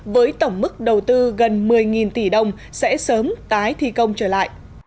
với tổng mức đầu tư gần một mươi tỷ đồng sẽ sớm tái thi công trở lại